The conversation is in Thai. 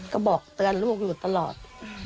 ก็บอกเตือนลูกอยู่ตลอด